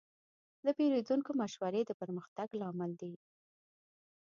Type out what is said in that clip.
د پیرودونکو مشورې د پرمختګ لامل دي.